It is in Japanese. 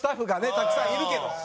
たくさんいるけど。